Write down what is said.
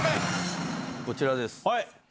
こちらです。